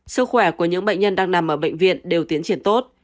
sức khỏe của những bệnh nhân đang nằm ở bệnh viện đều tiến triển tốt